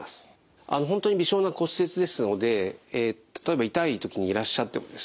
本当に微小な骨折ですので例えば痛い時にいらっしゃってもですね